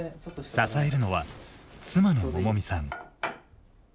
支えるのは妻の百美さん。